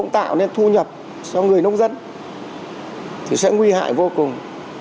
tạo nên thu nhập cho người nông dân thì sẽ nguy hại vô cùng